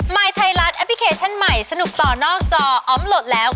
ยไทยรัฐแอปพลิเคชันใหม่สนุกต่อนอกจออมโหลดแล้ว